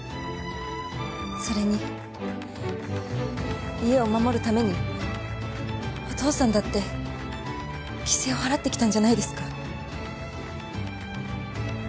それに家を守るためにお父さんだって犠牲を払ってきたんじゃないですか？